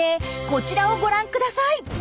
こちらをご覧ください。